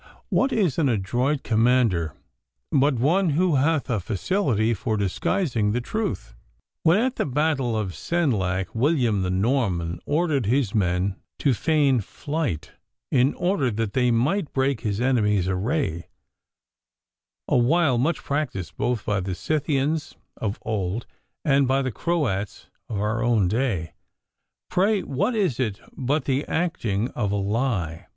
'What is an adroit commander but one who hath a facility for disguising the truth? When, at the battle of Senlac, William the Norman ordered his men to feign flight in order that they might break his enemy's array, a wile much practised both by the Scythians of old and by the Croats of our own day, pray what is it but the acting of a lie?